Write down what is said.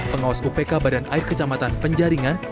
pengawas upk badan air kecamatan penjaringan